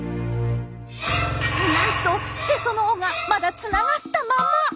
なんとへその緒がまだつながったまま！